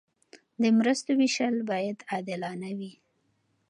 د مرستو ویشل باید عادلانه وي.